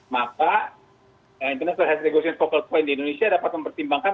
maka international health regulations vocal point di indonesia dapat mempertimbangkan